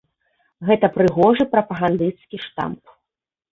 Гэта прыгожы прапагандысцкі штамп.